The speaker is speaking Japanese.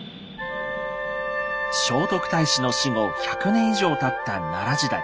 聖徳太子の死後１００年以上たった奈良時代。